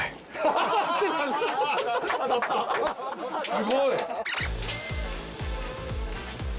すごい！